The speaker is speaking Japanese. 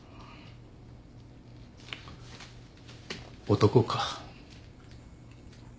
男か。